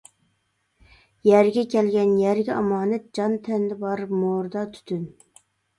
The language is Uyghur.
يەرگە كەلگەن يەرگە ئامانەت، جان تەندە بار مورىدا تۈتۈن.